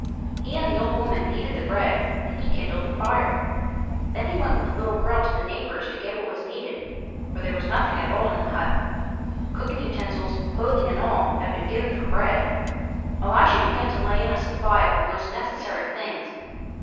He and the old woman kneaded the bread, and he kindled the fire. Then he went with the little girl to the neighbor's to get what was needed, for there was nothing at all in the hut, — cooking utensils, clothing and all had been given for bread. Elisha began to lay in a supply of the most necessary things.